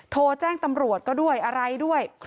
โทรแจ้งตำรวจก็ด้วยอะไรด้วย